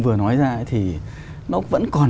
vừa nói ra ấy thì nó vẫn còn